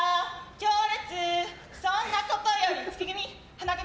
強烈、そんなことより月組、花組？